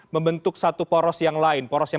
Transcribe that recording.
membentuk satu poros yang lain poros yang